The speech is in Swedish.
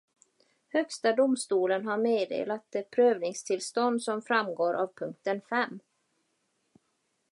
Högsta domstolen har meddelat det prövningstillstånd som framgår av punkten fem.